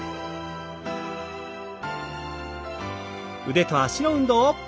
腕と脚の運動。